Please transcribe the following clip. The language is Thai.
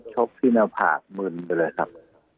โชคที่เนื้อผากมืนไปเลยครับ